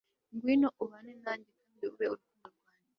ngwino ubane nanjye kandi ube urukundo rwanjye